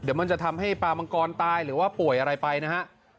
เดี๋ยวมันจะทำให้ปลามังกรตายหรือว่าป่วยอะไรไปนะฮะ